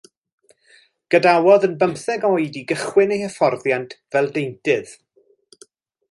Gadawodd yn bymtheg oed i gychwyn ei hyfforddiant fel deintydd.